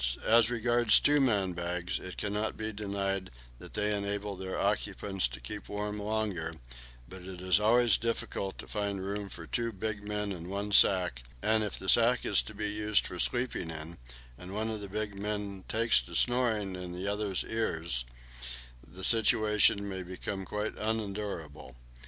As regards two man bags, it cannot be denied that they enable their occupants to keep warm longer; but it is always difficult to find room for two big men in one sack, and if the sack is to be used for sleeping in, and one of the big men takes to snoring into the other's ear, the situation may become quite unendurable.